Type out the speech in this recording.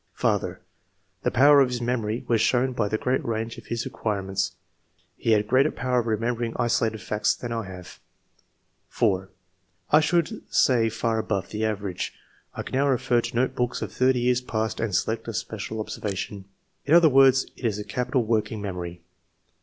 ^^ Father — ^The power of his memory was shown by the great range of his acquirements; he had greater power of remembering isolated facts than I have." 4. " I should say far above the average. I can now refer to note books of 30 years past and select a special observation. In other words, it is a capital working memory.